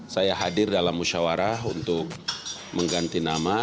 saya hadir dalam musyawarah untuk mengganti nama